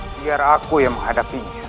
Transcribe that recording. biar aku yang menghadapinya